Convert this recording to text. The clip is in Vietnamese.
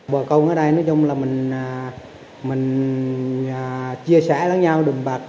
bà con ở đây nói chung là mình chia sẻ lãng nha đầm bạc